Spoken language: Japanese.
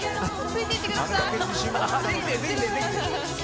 ついていってください。